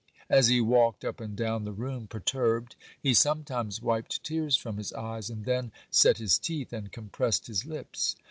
As he walked up and down the room perturbed, he sometimes wiped tears from his eyes, and then set his teeth, and compressed his lips.